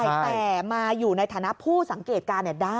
แต่มาอยู่ในฐานะผู้สังเกตการณ์ได้